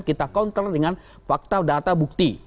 kita kontrol dengan fakta data bukti